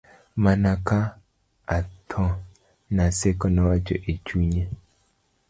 mana ka atho, Naseko nowacho e chunye